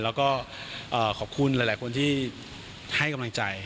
แล้วก็ขอบคุณหลายคนที่ให้กำลังใจ